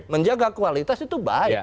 menjaga kualitas itu baik